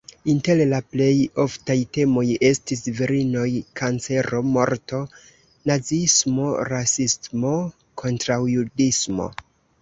Inter la plej oftaj temoj estis virinoj, kancero, morto, naziismo, rasismo, kontraŭjudismo.